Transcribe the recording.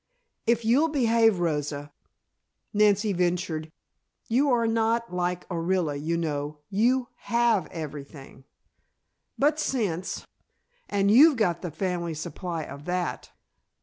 "If you'll behave, Rosa," Nancy ventured. "You are not like Orilla, you know; you have everything." "But sense, and you've got the family supply of that."